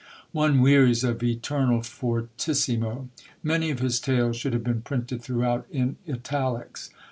One wearies of eternal fortissimo. Many of his tales should have been printed throughout in italics.